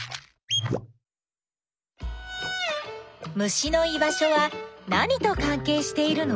虫の居場所は何とかんけいしているの？